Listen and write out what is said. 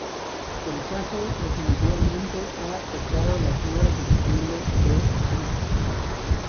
El caso definitivamente ha tocado la fibra sensible de Myka.